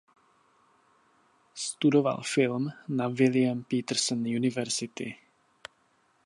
Studoval film na William Peterson University.